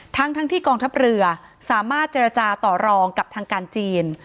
ทั้งที่กองทัพเรือสามารถเจรจาต่อรองกับทางการจีน